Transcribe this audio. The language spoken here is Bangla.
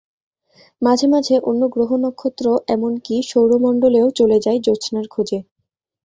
মাঝে মাঝে অন্য গ্রহ-নক্ষত্র এমনকি অন্য সৌরমণ্ডলেও চলে যাই জোছনার খোঁজে।